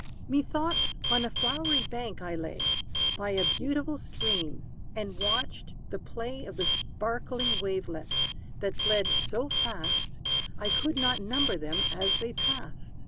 Methought, on a flowery bank I lay, By a beautiful stream; and watched the play Of the sparkling wavelets, that fled so fast, I could not number them as they passed.